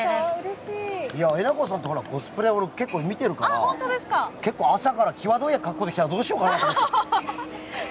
えなこさんのコスプレ結構、見ているから結構、朝から際どい格好で来たらどうしようかと。